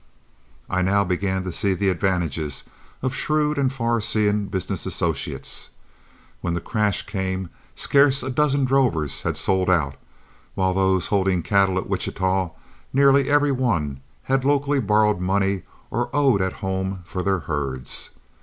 I now began to see the advantages of shrewd and far seeing business associates. When the crash came, scarce a dozen drovers had sold out, while of those holding cattle at Wichita nearly every one had locally borrowed money or owed at home for their herds.